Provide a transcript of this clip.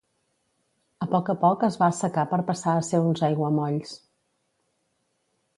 A poc a poc es va assecar per passar a ser uns aiguamolls.